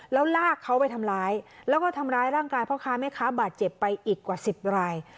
แล้วลากเขาไปทำร้ายแล้วก็ทำร้ายร่างกายพ่อค้าแม่ค้าบาดเจ็บไปอีกกว่า๑๐ราย